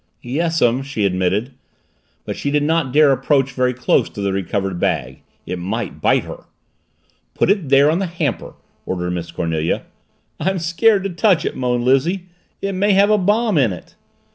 "Yes'm," she admitted. But she did not dare approach very close to the recovered bag. It might bite her! "Put it there on the hamper," ordered Miss Cornelia. "I'm scared to touch it!" moaned Lizzie. "It may have a bomb in it!"